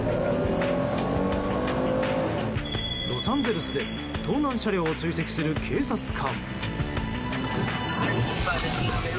ロサンゼルスで盗難車両を追跡する警察官。